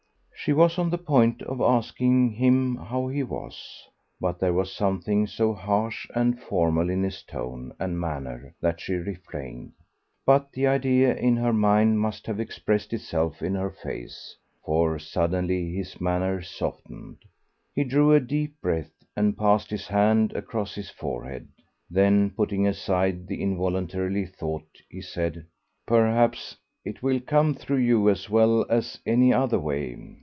She was on the point of asking him how he was. But there was something so harsh and formal in his tone and manner that she refrained. But the idea in her mind must have expressed itself in her face, for suddenly his manner softened. He drew a deep breath, and passed his hand across his forehead. Then, putting aside the involuntary thought, he said "Perhaps it will come through you as well as any other way.